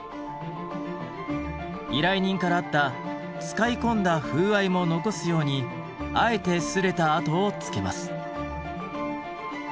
依頼人からあった使い込んだ風合いも残すようにあえて擦れた痕をつけます。